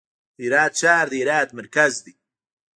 د هرات ښار د هرات مرکز دی